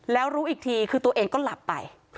แล้วรู้อีกทีคือตัวเองก็หลับไป